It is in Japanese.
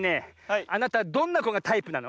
あなたどんなこがタイプなの？